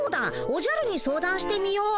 おじゃるに相談してみよう。